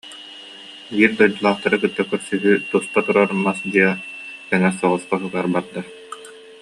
Биир дойдулаахтары кытта көрсүһүү туспа турар мас дьиэ кэҥэс соҕус хоһугар барда